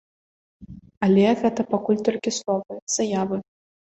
Але гэта пакуль толькі словы, заявы.